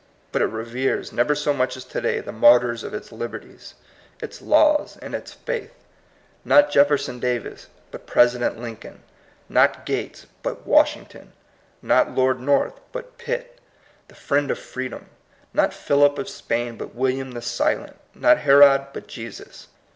But it reveres, never so much as to day, the martyrs of its liberties, its laws, and its faith; not Jefferson Davis, but Presi dent Lincoln ; not Gates, but Washington ; not Lord North, but Pitt, the friend of free dom ; not Philip of Spain, but William the Silent; not Heix>d, but Jesus.